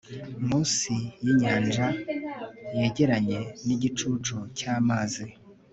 munsi yinyanja yegeranye nigicucu cyamazi